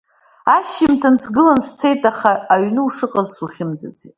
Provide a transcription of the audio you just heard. Ашьыжьымҭан сгылан сцеит, аха аҩны ушыҟаз сухьымӡеит.